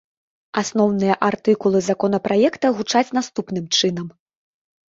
Асноўныя артыкулы законапраекта гучаць наступным чынам.